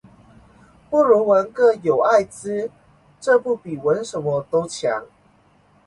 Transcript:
不如纹个“有艾滋”这不比纹什么都强